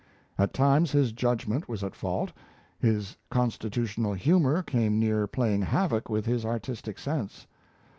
At times his judgment was at fault; his constitutional humour came near playing havoc with his artistic sense.